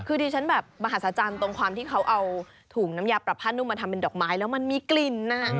คือดิฉันแบบมหัศจรรย์ตรงความที่เขาเอาถุงน้ำยาปรับผ้านุ่มมาทำเป็นดอกไม้แล้วมันมีกลิ่น